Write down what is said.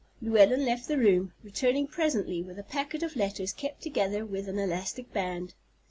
Llewellyn left the room, returning presently with a packet of letters kept together with an elastic band.